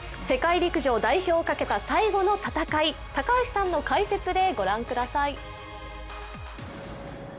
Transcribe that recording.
世界陸上代表をかけた最後の戦い、高橋さんの解説で御覧ください。